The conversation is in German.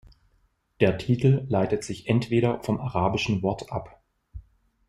Der Titel leitet sich entweder vom arabischen Wort ab.